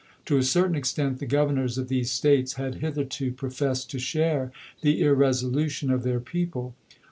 To a certain extent the Governors of these States had hitherto professed to share the irresolution of their people.